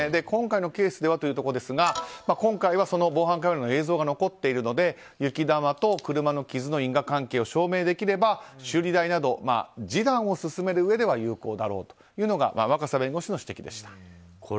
今回のケースではということですが今回は防犯カメラの映像が残っているので雪玉と車の傷の因果関係を証明できれば修理代など示談を進めるうえでは有効だろうというのが若狭弁護士の指摘でした。